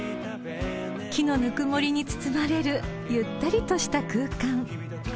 ［木のぬくもりに包まれるゆったりとした空間］